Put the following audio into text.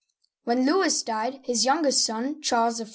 When Louis died, his youngest son, Charles I.